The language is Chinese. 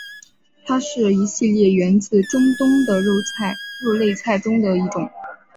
它是一系列源自中东的肉类菜中的一种。